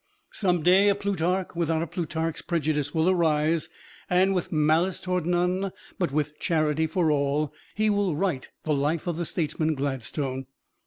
Some day a Plutarch without a Plutarch's prejudice will arise, and with malice toward none, but with charity for all, he will write the life of the statesman, Gladstone.